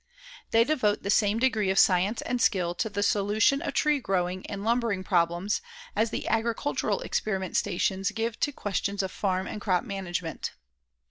They devote the same degree of science and skill to the solution of tree growing and lumbering problems as the agricultural experiment stations give to questions of farm and crop management.